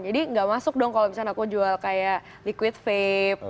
jadi nggak masuk dong kalau misalkan aku jual kayak liquid vape